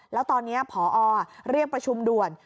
แล้วตอนนี้พอเรียกประชุมด่วน